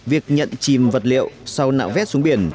việc nhận chìm vật liệu sau nạo vét xuống biển